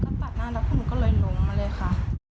ใช่ค่ะครั้งสุดท้ายก็ตัดหน้าแล้วผมก็เลยหลงมาเลยค่ะ